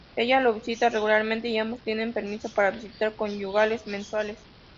Ella lo visita regularmente y ambos tienen permiso para visitas conyugales mensuales.